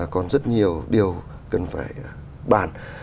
còn rất nhiều điều cần phải bàn